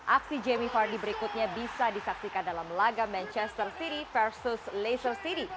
aksi jamie vardy berikutnya bisa disaksikan dalam laga manchester city versus laser city